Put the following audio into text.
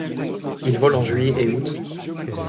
Il vole en juillet et août.